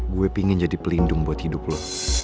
gue pingin jadi pelindung buat hidup lo